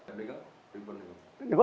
mengingatkan itu bukan gangsal